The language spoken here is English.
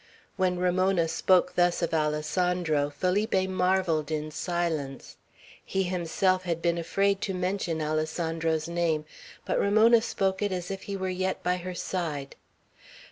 When Ramona spoke thus of Alessandro, Felipe marvelled in silence. He himself had been afraid to mention Alessandro's name; but Ramona spoke it as if he were yet by her side.